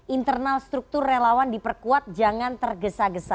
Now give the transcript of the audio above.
internal struktur relawan diperkuat jangan tergesa gesa